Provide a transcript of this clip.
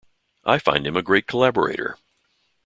I find him a great collaborator.